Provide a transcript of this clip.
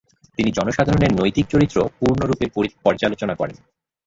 তিনি জনসাধারণের নৈতিক চরিত্র পূর্ণরূপে পর্যালোচনা করেন।